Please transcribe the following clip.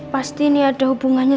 pasti ini ada hubungannya